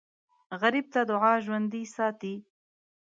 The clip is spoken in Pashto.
غریب ته دعا ژوندي ساتي